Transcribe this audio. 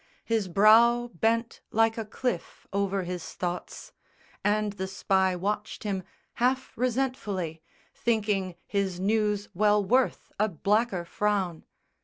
His brow bent like a cliff over his thoughts, And the spy watched him half resentfully, Thinking his news well worth a blacker frown.